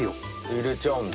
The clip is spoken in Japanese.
入れちゃうんだ。